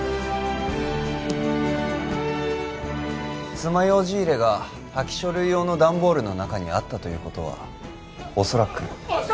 爪楊枝入れが破棄書類用の段ボールの中にあったということはおそらく奥様！